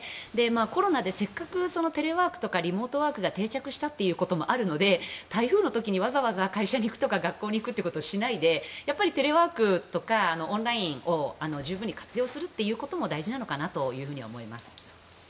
コロナでせっかくテレワークとかリモートワークが定着したということもあるので台風の時にわざわざ会社に行くとか学校に行くということはしないでやっぱりテレワークとかオンラインを十分に活用することも大事なのかなと思います。